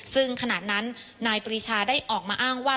ซึ่งขณะนั้นนายปรีชาได้ออกมาอ้างว่า